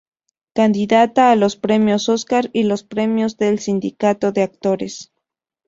Candidata a los Premios Óscar y los Premios del Sindicato de Actores.